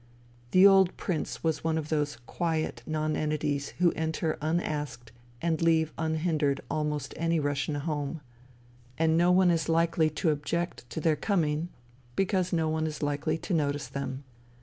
The old Prince was one of those quiet nonentities who enter unasked and leave unhindered almost any Russian home ; and no one is likely to object to their coming because no one is likely to notice them.